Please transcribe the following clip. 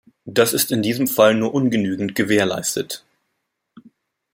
Das ist in diesem Fall nur ungenügend gewährleistet.